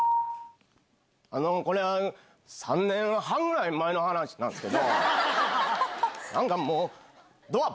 あの、これ、３年半ぐらい前の話なんですけど、なんかもう、ドア